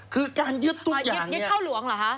คือการยึดทุกอย่างเนี่ยยึดเข้าหลวงเหรอฮะ